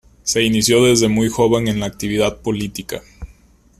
Se inició desde muy joven en la actividad política.